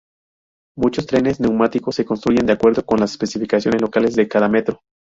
Muchos trenes neumáticos se construyen de acuerdo con las especificaciones locales de cada metro.